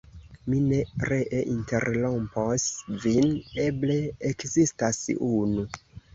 Mi ne ree interrompos vin; eble ekzistas unu.